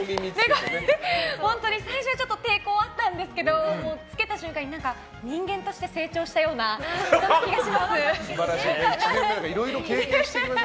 本当に最初は抵抗があったんですけど着けた瞬間に、人間として成長したような気がします。